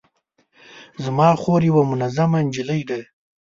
زما خور یوه منظمه نجلۍ ده